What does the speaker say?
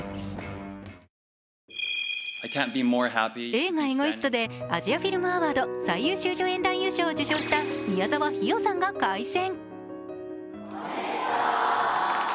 映画「エゴイスト」でアジア・フィルム・アワード最優秀助演男優賞を受賞した宮沢氷魚さんが凱旋。